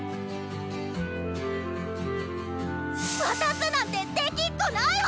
⁉渡すなんてできっこないわ！